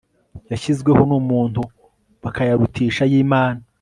yashyizweho numuntu bakayarutisha ayImana